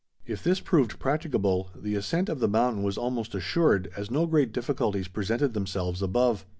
If this proved practicable, the ascent of the mountain was almost assured, as no great difficulties presented themselves above.